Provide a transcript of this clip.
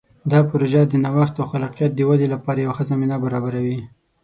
دا پروژه د نوښت او خلاقیت د ودې لپاره یوه ښه زمینه برابروي.